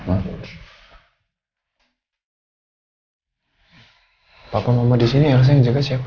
apapun mama di sini elsa yang jaga siapa